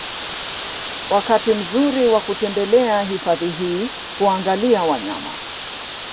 Wakati mzuri wa kutembelea hifadhi hii kuangalia wanyama